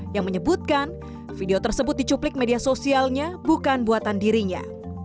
yang menyebutkan video tersebut dicuplik media sosialnya bukan buatan dirinya